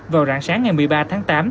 vào rạng sáng ngày một mươi ba tháng tám